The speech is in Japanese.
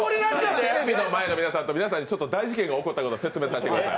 テレビの前の皆さんに大事件が起きたことをお知らせさせてください。